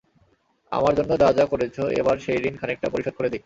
আমার জন্য যা যা করেছ, এবার সেই ঋণ খানিকটা পরিশোধ করে দেই!